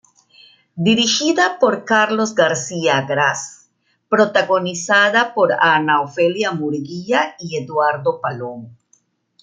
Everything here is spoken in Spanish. Dirigida por Carlos García Agraz, protagonizada por Ana Ofelia Murguía y Eduardo Palomo.